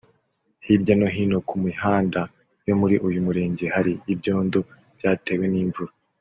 Hirya no hino ku mihanda yo muri uyu murenge hari ibyondo byatewe n’imvura